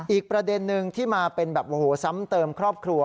อีกประเด็นนึงที่มาเป็นแบบโอ้โหซ้ำเติมครอบครัว